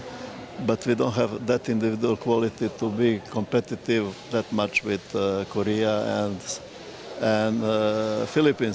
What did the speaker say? tapi kita tidak memiliki kualitas individu yang berkualitas yang berkualitas dengan korea dan filipina